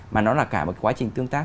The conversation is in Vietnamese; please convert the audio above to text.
mà nó là cả một quá trình tương tác